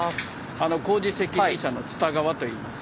工事責任者の蔦川といいます。